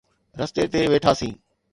رستي تي ويٺاسين.